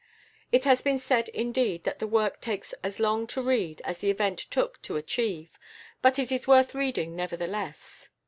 It has been said, indeed, that the work takes as long to read as the event took to achieve, but it is worth reading nevertheless.